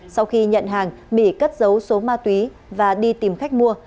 sau khi nhận hàng mỹ cất dấu số ma túy và đi tìm khách mua